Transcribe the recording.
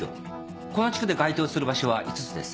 この地区で該当する場所は５つです。